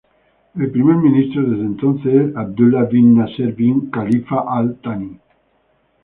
El primer ministro desde entonces es Abdullah bin Nasser bin Khalifa Al Thani.